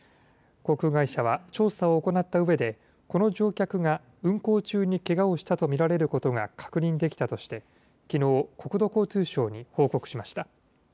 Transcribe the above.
航空会社は調査を行ったうえで、この乗客が運航中にけがをしたと見られることが、確認できたとして、きのう国土交通省に報告しました。